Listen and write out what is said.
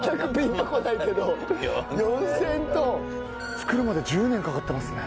造るまで１０年かかってますね。